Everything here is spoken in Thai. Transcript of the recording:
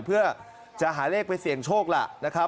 เพื่อจะหาเลขไปเสี่ยงโชคล่ะ